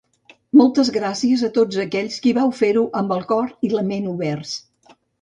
Moltes gràcies a tots aquells qui vau fer-ho amb el cor i la ment oberts.